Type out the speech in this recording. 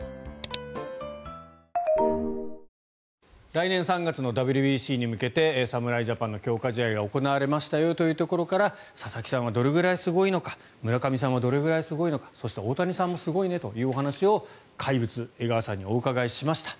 来年３月のＷＢＣに向けて侍ジャパンの強化試合が行われましたよというところから佐々木さんはどれくらいすごいのか村上さんはどれくらいすごいのかそして大谷さんもすごいねというお話を怪物・江川さんにお伺いしました。